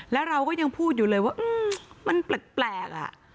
แล้วเราก็ยังพูดอยู่เลยว่ามันแปลกอ่ะ